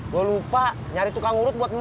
gua lupa nyari tukang urut buat mak